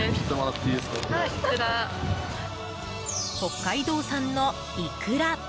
北海道産のイクラ！